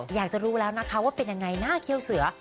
อยากจะรู้แล้วนะคะว่าเป็นยังไงหน้าเขี้ยวเสือ